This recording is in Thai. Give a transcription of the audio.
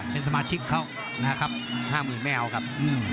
เป็นสมาชิกเขานะครับ๕๐๐๐ไม่เอาครับ